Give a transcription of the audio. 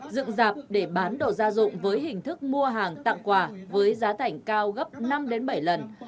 dựng dạp để bán đồ gia dụng với hình thức mua hàng tặng quà với giá thảnh cao gấp năm bảy lần